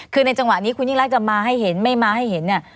คือในจังหวะนี้คุณยิ่งรักจะมาให้เห็นไม่มาให้เห็นเนี่ย